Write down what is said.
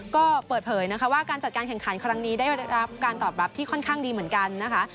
ก็เปิดเผยนะคะว่าการจัดการแข่งขันครั้งนี้ได้รับการตอบรับที่ค่อนข้างดีเหมือนกันนะคะ